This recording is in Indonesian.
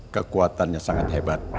kekuatannya sangat hebat